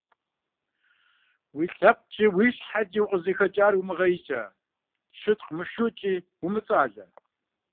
Уи лъэпкъкӀи уи щхьэкӀи укъызыхэкӀар умыгъэикӀэ, щытхъу мышукӀи умыцӀалэ.